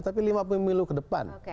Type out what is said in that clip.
tapi lima pemilu ke depan